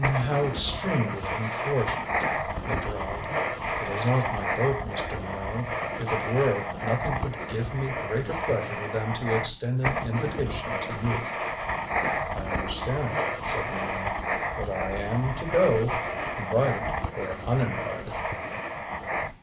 "How extremely unfortunate," he drawled. "It is not my boat, Mr. Minot. If it were, nothing would give me greater pleasure than to extend an invitation to you." "I understand," said Minot. "But I am to go invited or uninvited."